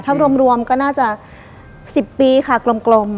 ถ้ารวมก็น่าจะ๑๐ปีค่ะกลม